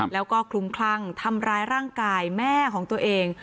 แล้วก็คลุมคลั่งทำร้ายร่างกายแม่ของตัวเอง